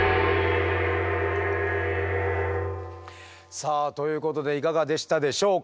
さあということでいかがでしたでしょうか？